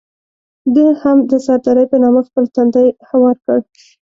ده هم د سردارۍ په نامه خپل تندی هوار کړ.